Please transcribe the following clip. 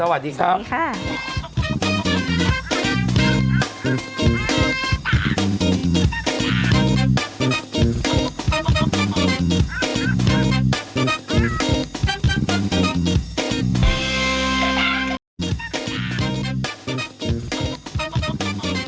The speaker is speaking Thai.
สวัสดีครับ